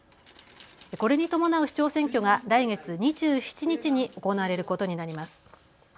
これに伴う市長選挙が来月２７日に行われることになります。